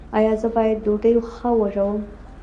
ایا زه باید ډوډۍ ښه وژووم؟